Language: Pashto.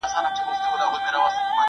ښوونه د راتلونکې بنسټ جوړوي.